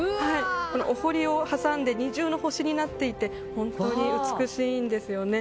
お堀を挟んで二重の星になっていて本当に美しいんですよね。